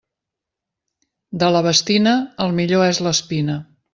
De la bastina, el millor és l'espina.